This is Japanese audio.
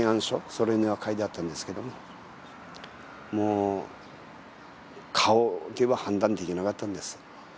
それには書いてあったんですけどもう顔では判断できなかったんです